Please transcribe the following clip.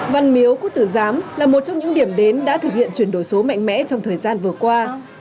văn miếu quốc tử giám là một trong những điểm đến đã thực hiện chuyển đổi số mạnh mẽ trong thời gian vừa qua